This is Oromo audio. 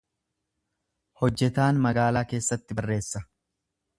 Hojjetaan magaalaa keessatti barreessa.